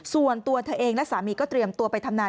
ส่วนตัวเธอเองและสามีก็เตรียมตัวไปทำงาน